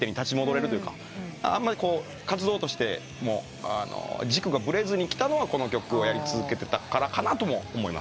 あんまり活動として軸がブレずにきたのはこの曲をやり続けてたからとも思いますね。